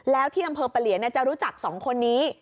แล้วที่อำเภอปะเหลียนจะรู้จัก๒คนนี้